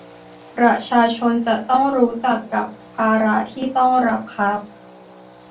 ประชาชนจะต้องรู้จักรับภาระที่ต้องรับครับ